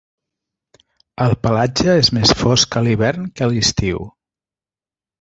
El pelatge és més fosc a l'hivern que a l'estiu.